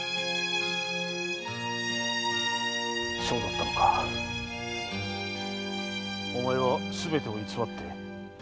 そうだったのかお前はすべてを偽って。